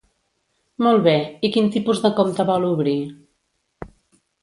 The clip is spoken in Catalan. Molt bé, i quin tipus de compte vol obrir?